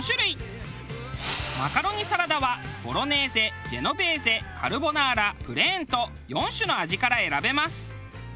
マカロニサラダはボロネーゼジェノベーゼカルボナーラプレーンと４種の味から選べます。